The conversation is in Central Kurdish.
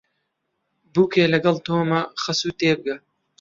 بووکێ لەگەڵ تۆمە خەسوو تێبگە